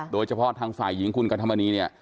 โดยเฉพาะทางฝ่ายหญิงคุณกัธมณีเนี่ย